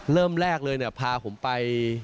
เริ่มแรกเลยเนี่ยพาผมไป